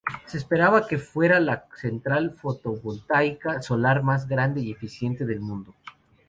Se esperaba que fuera la central fotovoltaica solar más grande y eficiente del mundo.